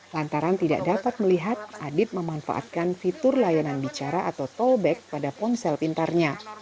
lantaran tidak dapat melihat adit memanfaatkan fitur layanan bicara atau tallback pada ponsel pintarnya